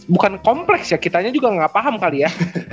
bukan kompleks ya kitanya juga nggak paham kali ya